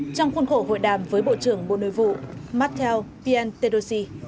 trong khuôn khổ hội đàm với bộ trưởng bộ nội vụ matteo pianterosi